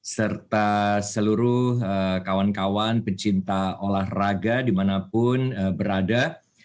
serta seluruh kawan kawan pencinta olahraga dimanapun berada